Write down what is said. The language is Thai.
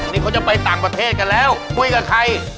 นี่เขาจะไปต่างประเทศกันแล้วคุยกับใคร